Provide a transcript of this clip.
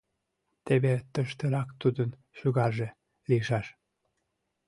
Теве тыштырак тудын шӱгарже лийшаш.